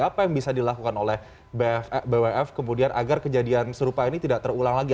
apa yang bisa dilakukan oleh bwf kemudian agar kejadian serupa ini tidak terulang lagi